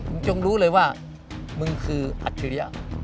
จงรู้เลยว่ามึงคืออัจฉริยะ